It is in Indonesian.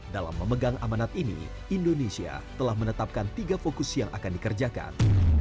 dalam memegang amanat ini indonesia telah menetapkan tiga fokus yang akan dikerjakan